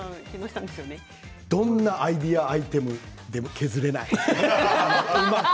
どんなアイデアアイテムでも削れない。